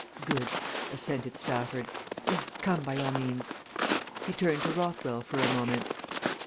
"Good!" assented Stafford. "Yes, come by all means." He turned to Rothwell for a moment.